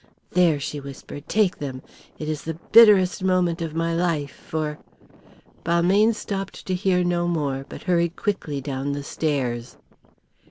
"There," she whispered. "Take them. It is the bitterest moment of my life for " Balmayne stopped to hear no more, but hurried quickly down the stairs.